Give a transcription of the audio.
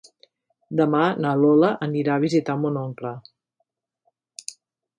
Demà na Lola anirà a visitar mon oncle.